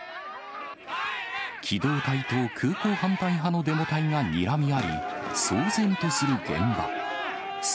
機動隊と空港反対派のデモ隊がにらみ合い、騒然とする現場。